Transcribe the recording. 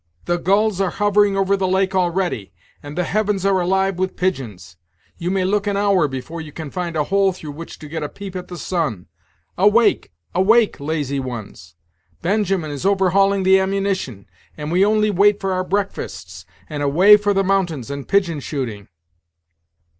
the gulls are hovering over the lake already, and the heavens are alive with pigeons. You may look an hour before you can find a hole through which to get a peep at the sun. Awake! awake! lazy ones' Benjamin is overhauling the ammunition, and we only wait for our breakfasts, and away for the mountains and pigeon shooting."